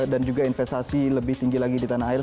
dan juga investasi lebih tinggi lagi di tanah air